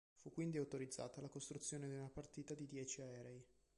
Fu quindi autorizzata la costruzione di una partita di dieci aerei.